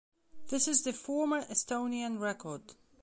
This is the former Estonian record.